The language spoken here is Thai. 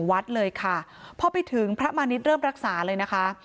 วัดเลยค่ะพอไปถึงพระมาณิชย์เริ่มรักษาเลยนะคะ